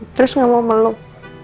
terus gak mau meluk